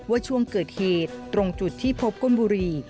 ช่วงเกิดเหตุตรงจุดที่พบก้นบุหรี่